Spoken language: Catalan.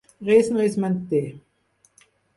Res no es manté.